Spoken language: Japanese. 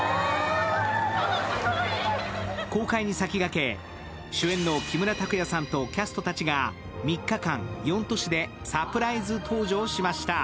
公開に先駆け、主演の木村拓哉さんとキャストたちが３日間、４都市でサプライズ登場しました。